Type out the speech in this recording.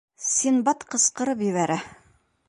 Синдбад ҡысҡырып ебәрә: